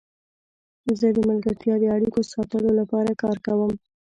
زه د ملګرتیا د اړیکو ساتلو لپاره کار کوم.